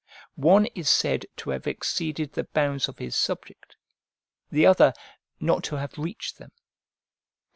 One is said to have exceeded the bounds of his subject, the other not to have reached them.